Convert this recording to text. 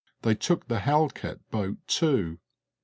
They took the halkett boat too.